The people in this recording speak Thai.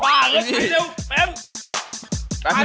แปมแปมหมดพร้อมค่ะ